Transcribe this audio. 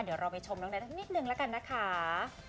เดี๋ยวเราไปชมน้องแท็กนิดนึงแล้วกันนะคะ